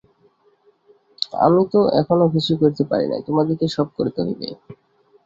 আমি তো এখনও কিছুই করিতে পারি নাই, তোমাদিগকেই সব করিতে হইবে।